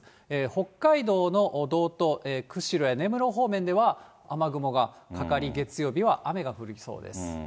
北海道の道東、釧路や根室方面では雨雲がかかり、月曜日は雨が降りそうです。